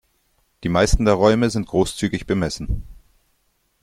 Die meisten der Räume sind großzügig bemessen.